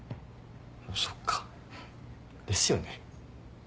そっかですよね。